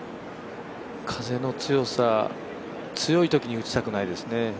風の強さ強いときに打ちたくないですよね。